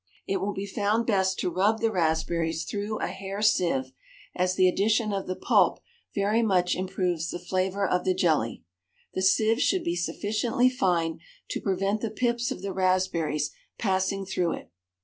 It will be found best to rub the raspberries through a hair sieve, as the addition of the pulp very much improves the flavour of the jelly. The sieve should be sufficiently fine to prevent the pips of the raspberries passing through it.